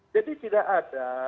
jadi tidak ada